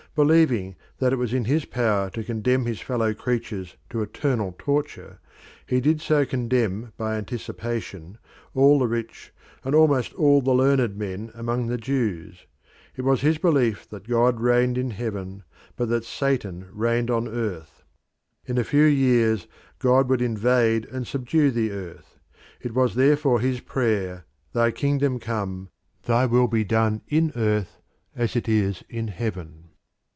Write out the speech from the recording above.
Believing that it was in his power to condemn his fellow creatures to eternal torture, he did so condemn by anticipation all the rich and almost all the learned men among the Jews. It was his belief that God reigned in heaven but that Satan reigned on earth. In a few years God would invade and subdue the earth. It was therefore his prayer, "Thy kingdom come; thy will be done in earth as it is in heaven."